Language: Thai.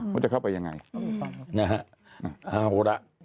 ว่าจะเข้าไปอย่างไร